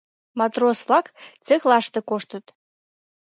Матрос-влак цехлаште коштыт.